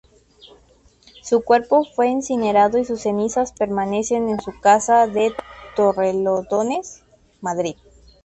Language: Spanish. Su cuerpo fue incinerado y sus cenizas permanecen en su casa de Torrelodones, Madrid.